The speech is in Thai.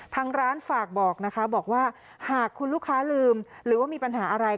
ทางร้านฝากบอกนะคะบอกว่าหากคุณลูกค้าลืมหรือว่ามีปัญหาอะไร